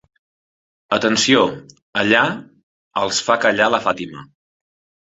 Atenció, allà —els fa callar la Fàtima—.